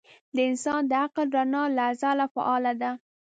د انسان د عقل رڼا له ازله فعاله ده.